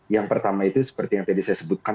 yang pertama itu seperti yang tadi saya sebutkan